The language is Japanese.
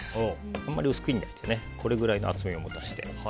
あんまり薄く切らないでこれくらいの厚みを持たせて。